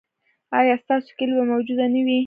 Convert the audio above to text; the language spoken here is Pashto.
ایا ستاسو کیلي به موجوده نه وي؟